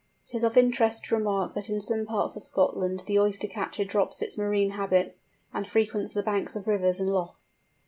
It is of interest to remark that in some parts of Scotland the Oyster catcher drops its marine habits, and frequents the banks of rivers and lochs.